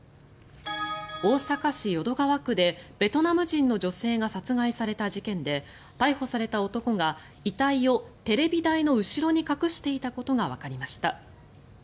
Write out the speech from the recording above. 大阪市淀川区でベトナム人の女性が殺害された事件で逮捕された男が遺体をテレビ台の後ろに隠していたことがわかりました。